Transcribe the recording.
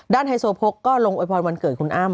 ด้านไทยโสภกก็ลงโอยพรวันเกิดของคุณอ้ำ